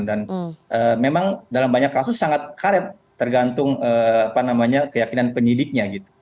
dan memang dalam banyak kasus sangat karet tergantung apa namanya keyakinan penyidiknya gitu